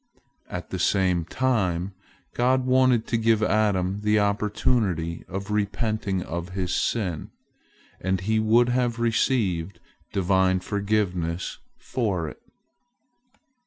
At the same time, God wanted to give Adam the opportunity of repenting of his sin, and he would have received Divine forgiveness for it.